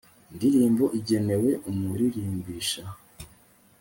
indirimbo igenewe umuririmbisha